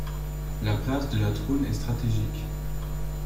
La place de Latroun est stratégique.